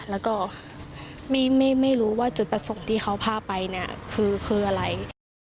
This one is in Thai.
แล้วก็ไม่รู้ว่าจุดประสงค์ที่เขาพาไปเนี่ยคืออะไร